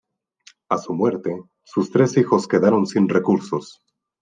A su muerte, sus tres hijos quedaron sin recursos.